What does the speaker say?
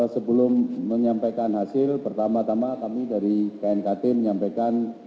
sebelum menyampaikan hasil pertama tama kami dari knkt menyampaikan